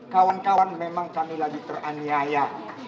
kawan kawan memang kami lagi teraniaya